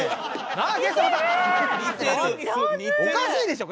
おかしいでしょ！